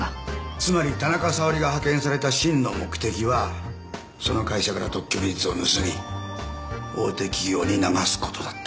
つまり田中沙織が派遣された真の目的はその会社から特許技術を盗み大手企業に流す事だった。